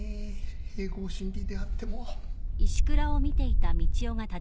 併合審理であっても。